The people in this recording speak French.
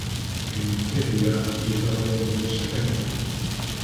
Une feria y est organisée chaque année.